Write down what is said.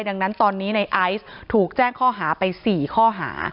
ดังนั้นตอนนี้ในไอซ์ถูกแจ้งข้อหาไป๔ข้อหา